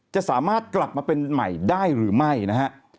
จะสามารถกลับมาเป็นใหม่ได้หรือไม่นะฮะ